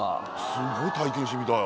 すごい体験してみたい。